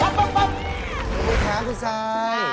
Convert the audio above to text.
นะเอาแท้คุณสาว